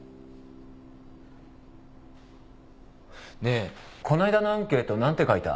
ねえこないだのアンケート何て書いた？